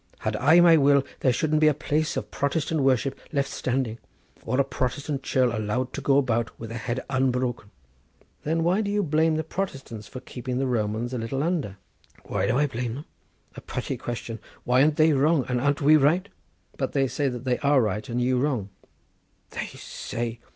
Had I my will there shouldn't be a place of Protestant worship left standing, or a Protestant churl allowed to go about with a head unbroken." "Then why do you blame the Protestants for keeping the Romans a little under?" "Why do I blame them? A purty question! Why, an't they wrong, and an't we right?" "But they say that they are right and you wrong." "They say!